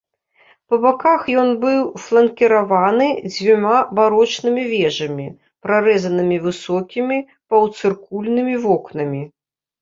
Па баках ён быў фланкіраваны дзвюма барочнымі вежамі, прарэзанымі высокімі паўцыркульнымі вокнамі.